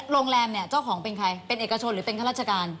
โรงแรมเนี่ยเจ้าของเป็นใครเป็นเอกชนหรือเป็นข้าราชการ